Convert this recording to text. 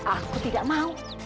aku tidak mau